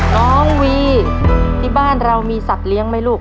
น้องวีที่บ้านเรามีสัตว์เลี้ยงไหมลูก